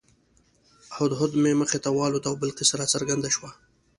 هدهد مې مخې ته والوت او بلقیس راڅرګنده شوه.